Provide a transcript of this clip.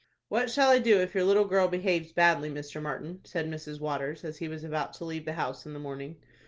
"What shall I do if your little girl behaves badly, Mr. Martin?" said Mrs. Waters, as he was about to leave the house in the morning.